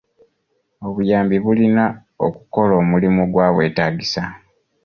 Obuyambi bulina okukola omulimu ogwabwetaagisa.